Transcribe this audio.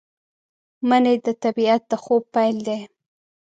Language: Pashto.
منی د طبیعت د خوب پیل دی